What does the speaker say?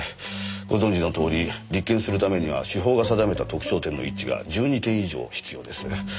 ご存じのとおり立件するためには司法が定めた特徴点の一致が１２点以上必要です。